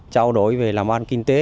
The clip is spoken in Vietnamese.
trao đổi về làm oan kinh tế